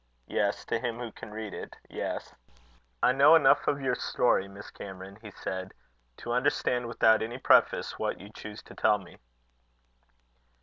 Yes to him who can read it yes. "I know enough of your story, Miss Cameron," he said, "to understand without any preface what you choose to tell me."